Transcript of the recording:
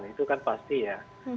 itu kan pasti ya